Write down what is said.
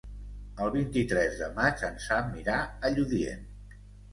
El vint-i-tres de maig en Sam irà a Lludient.